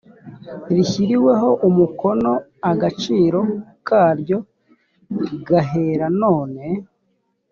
rishyiriweho umukono agaciro karyo gahera none.